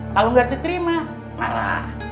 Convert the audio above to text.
kalo gak diterima marah